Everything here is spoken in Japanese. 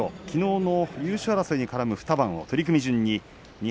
きのうの優勝争いに絡む２番を取組順に。